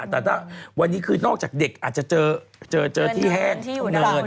แต่ถ้าวันนี้คือนอกจากเด็กอาจจะเจอที่แห้งที่เนิน